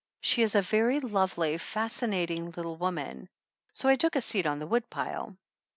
"She is a very lovely, fascinating little woman." So I took a seat on the woodpile.